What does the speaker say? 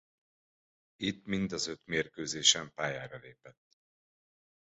Itt mind az öt mérkőzésen pályára lépett.